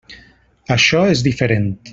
Això és diferent.